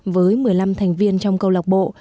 với một mươi năm thành viên trong câu lạc bộ